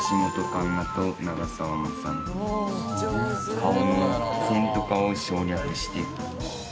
顔の線とかを省略していく。